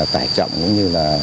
tài trọng cũng như là